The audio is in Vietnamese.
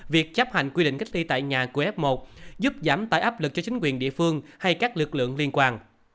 việc chấp hành quy định cách ly tại nhà của f một giúp giảm tải áp lực cho chính quyền địa phương hay các lực lượng liên quan